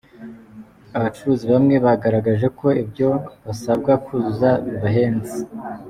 Abacuruzi bamwe bagaragaje ko ibyo basabwa kuzuza bibahenze.